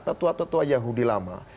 tetua tetua yahudi lama